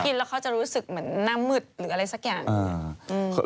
แล้วเขาจะรู้สึกเหมือนหน้ามืดหรืออะไรสักอย่าง